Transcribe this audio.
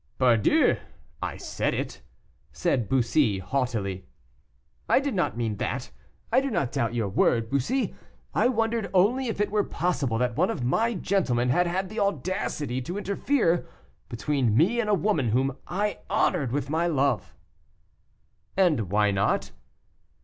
"Pardieu! I said it," said Bussy, haughtily. "I did not mean that; I did not doubt your word, Bussy, I wondered only if it were possible that one of my gentlemen had had the audacity to interfere between me and a woman whom I honored with my love." "And why not?"